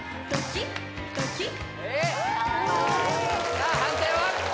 さあ判定は？